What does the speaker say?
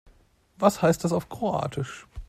Was heißt das auf Kroatisch?